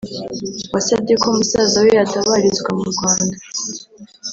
wasabye ko musaza we yatabarizwa mu Rwanda